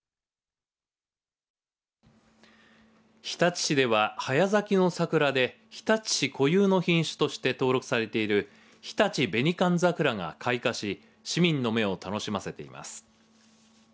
日立市では早咲きの桜で日立市固有の品種として登録されている日立紅寒桜が開花し市民の目を楽しませています。